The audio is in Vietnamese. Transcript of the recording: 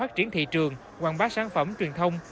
kiến thị trường hoàn bác sản phẩm truyền thông